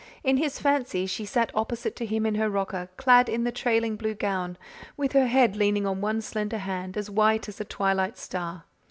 In his fancy she sat opposite to him in her rocker, clad in the trailing blue gown, with her head leaning on one slender hand, as white as a twilight star.